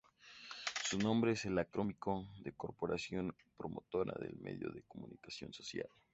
Su nombre es el acrónimo de "Corporación Promotora de Medios de Comunicación Social".